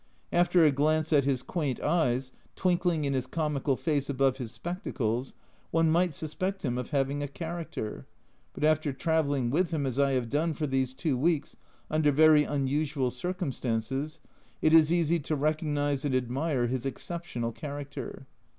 After a glance at his quaint eyes, twinkling in his comical face above his spectacles, one might suspect him of having a character, but after travelling with him as I have done for these two weeks, under very unusual circumstances, it is easy to recognise and admire his exceptional character.